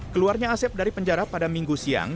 keluarnya asep dari penjara pada minggu siang